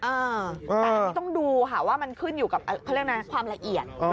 แต่ต้องดูค่ะว่ามันขึ้นอยู่กับความละเอียด